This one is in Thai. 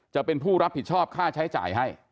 จะเป็นผู้รับผิดชอบค่าใช้จ่ายให้